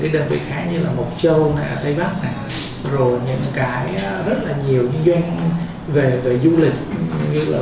địa điểm khác như là mộc châu tây bắc rồi những cái rất là nhiều những doanh về du lịch như là